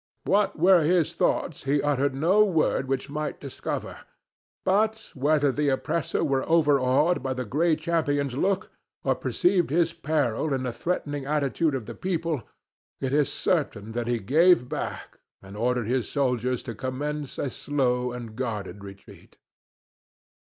What were his thoughts he uttered no word which might discover, but, whether the oppressor were overawed by the Gray Champion's look or perceived his peril in the threatening attitude of the people, it is certain that he gave back and ordered his soldiers to commence a slow and guarded retreat.